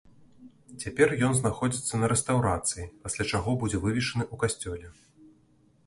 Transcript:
Цяпер ён знаходзіцца на рэстаўрацыі, пасля чаго будзе вывешаны ў касцёле.